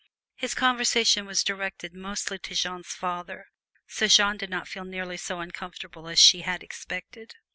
His conversation was directed mostly to Jeanne's father, so Jeanne did not feel nearly so uncomfortable as she had expected.